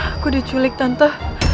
aku diculik tante